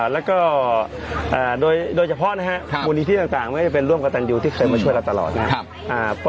แล้วก็โดยเฉพาะนะครับบูรณีที่ต่างมันก็จะเป็นร่วมกับตังค์ดิวที่เคยมาช่วยเราตลอดนะครับ